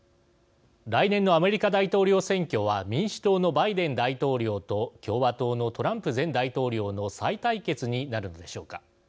来年のアメリカ大統領選挙は民主党のバイデン大統領と共和党のトランプ前大統領の再対決になるのでしょうか。